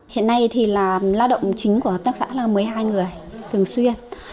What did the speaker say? hiện nay thì là lao động chính của hợp tác xã là một mươi hai người thường xuyên